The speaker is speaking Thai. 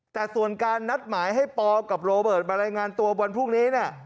แต่ส่วนการนัดหมายให้ปอกับโรเบิร์ตมารายงานตัววันพรุ่งนี้